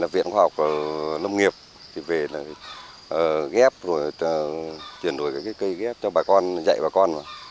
viện khoa học lâm nghiệp về ghép truyền đổi cây ghép cho bà con dạy bà con